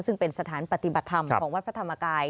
ซึ่งเป็นสถานปฏิบัติธรรมของวัดพระธรรมกาย